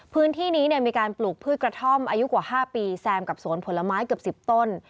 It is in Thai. พื้นที่นี้มีการปลูกพืชกระท่อมอายุกว่า๕ปีแซมกับสวนผลไม้เกือบ๑๐ต้น